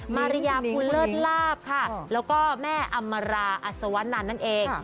มาริยาภูลเลิศลาบค่ะแล้วก็แม่อำมาราอัศวนันนั่นเอง